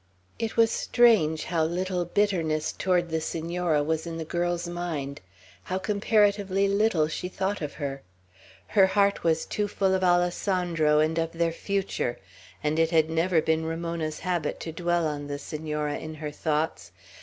It was strange how little bitterness toward the Senora was in the girl's mind; how comparatively little she thought of her. Her heart was too full of Alessandro and of their future; and it had never been Ramona's habit to dwell on the Senora in her thoughts.